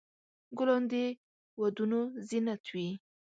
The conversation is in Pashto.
ګلان د ودونو زینت وي.